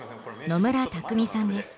野村拓未さんです。